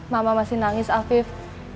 mama masih nangis afif